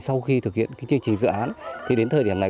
sau khi thực hiện chương trình dự án thì đến thời điểm này